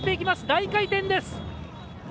大回転です。